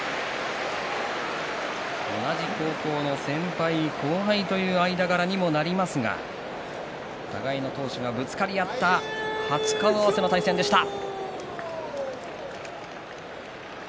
同じ高校の先輩後輩という間柄にもなりますが互いの闘志がぶつかり合った初顔合わせの対戦でした。